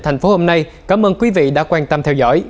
thành phố hôm nay cảm ơn quý vị đã quan tâm theo dõi